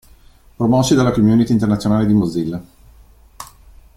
Promossi dalla Community Internazionale di Mozilla.